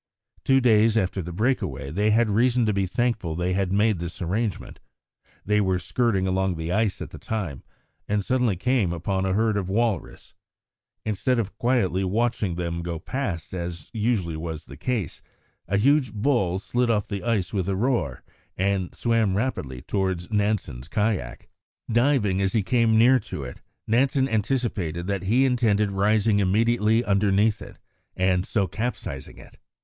Two days after the break away they had reason to be thankful they had made this arrangement. They were skirting along the ice at the time, and suddenly came upon a herd of walrus. Instead of quietly watching them go past, as was usually the case, a huge bull slid off the ice with a roar, and swam rapidly towards Nansen's kayak. Diving as he came near to it, Nansen anticipated that he intended rising immediately underneath it, and so capsizing it.